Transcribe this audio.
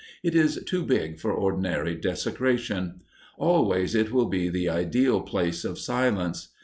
It is too big for ordinary desecration. Always it will be the ideal Place of Silence.